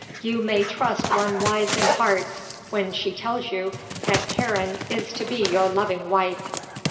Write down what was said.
You may trust one wise in hearts when she tells you that Karen is to be your loving wife."